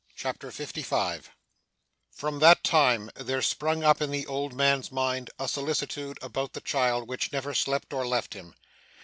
CHAPTER 55 From that time, there sprung up in the old man's mind, a solicitude about the child which never slept or left him.